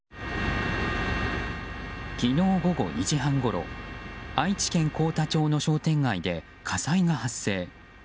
昨日午後２時半ごろ愛知県幸田町の商店街で火災が発生。